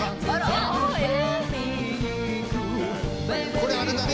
これあれだね。